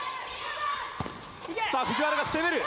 さあ藤原が攻める！